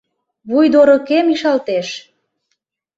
Вуйдорыкем ишалтеш.